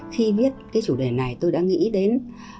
khi viết cái chủ đề này tôi đã nghĩ đến